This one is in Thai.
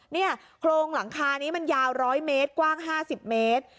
เนี่ยโครงหลังคานี้มันยาวร้อยเมตรกว้างห้าสิบเมตร